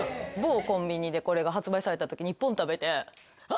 某コンビニでこれが発売された時に１本食べて。